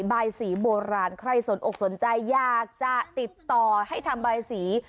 ใบสีโบราณใครสนอกสนใจอยากจะติดต่อให้ทำบายสี